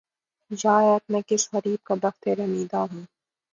یارب! میں کس غریب کا بختِ رمیدہ ہوں!